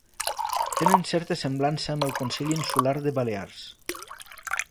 Tenen certa semblança amb els Consells Insulars de Balears.